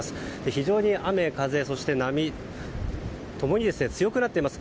非常に雨風、そして波共に強くなっています。